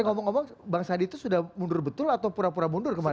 ngomong ngomong bang sandi itu sudah mundur betul atau pura pura mundur kemarin